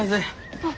あっ。